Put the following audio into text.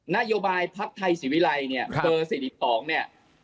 นโยบายพักไทยศิวิรัยเนี่ยเบอร์๔๒เนี่ย